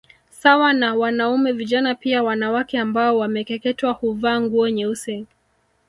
Sawa na wanaume vijana pia wanawake ambao wamekeketewa huvaa nguo nyeusi